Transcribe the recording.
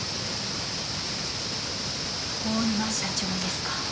大沼社長ですか？